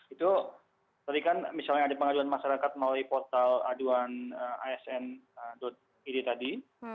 itu tadi kan misalnya ada pengaduan masyarakat melalui portal aduan asn id tadi